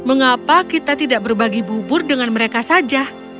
mengapa kita tidak berbagi bubur dengan mereka saja